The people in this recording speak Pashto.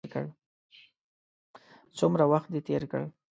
څومره وخت دې تېر کړ.